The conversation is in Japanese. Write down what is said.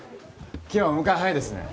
今日はお迎え早いですね